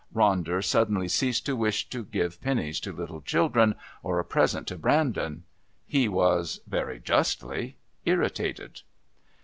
Ronder suddenly ceased to wish to give pennies to little children or a present to Brandon. He was, very justly, irritated.